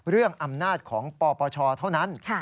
เรื่องอำนาจของปปชเท่านั้น